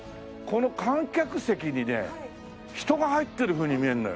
この観客席にね人が入ってるふうに見えんのよ。